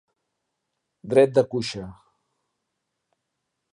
Dret de cuixa.